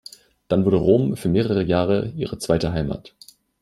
Dann wurde Rom für mehrere Jahre ihre zweite Heimat.